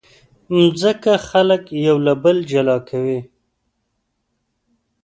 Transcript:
مځکه خلک یو له بله جلا کوي.